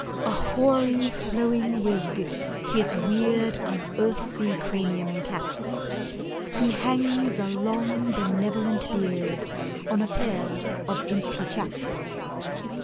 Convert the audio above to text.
A hoary flowing wig his weird Unearthly cranium caps, He hangs a long benevolent beard On a pair of empty chaps.